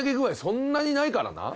そんなにないからな。